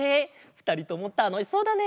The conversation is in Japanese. ふたりともたのしそうだね！